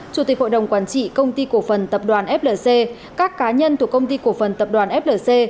chủ tịch hội đồng quản trị công ty cổ phần tập đoàn flc các cá nhân thuộc công ty cổ phần tập đoàn flc